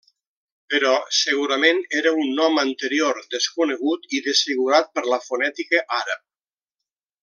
Però segurament era un nom anterior desconegut i desfigurat per la fonètica àrab.